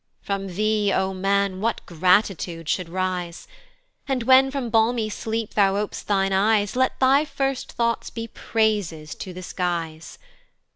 From thee, O man, what gratitude should rise! And, when from balmy sleep thou op'st thine eyes, Let thy first thoughts be praises to the skies.